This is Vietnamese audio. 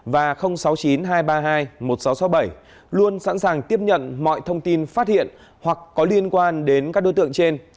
sáu mươi chín hai trăm ba mươi bốn năm nghìn tám trăm sáu mươi và sáu mươi chín hai trăm ba mươi hai một nghìn sáu trăm sáu mươi bảy luôn sẵn sàng tiếp nhận mọi thông tin phát hiện hoặc có liên quan đến các đối tượng trên